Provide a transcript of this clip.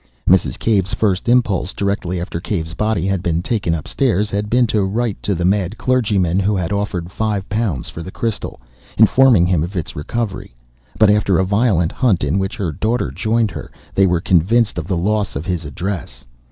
Mrs. Cave's first impulse, directly Cave's body had been taken upstairs, had been to write to the mad clergyman who had offered five pounds for the crystal, informing him of its recovery; but after a violent hunt in which her daughter joined her, they were convinced of the loss of his address.